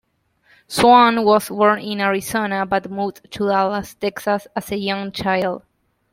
Swann was born in Arizona but moved to Dallas, Texas, as a young child.